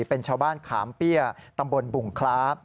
เป็นชาวบ้านขามเปี้ยตำบลบุงคลาฟ